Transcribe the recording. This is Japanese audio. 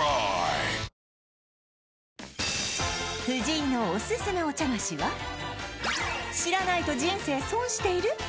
藤井のおすすめお茶菓子は知らないと人生損している！？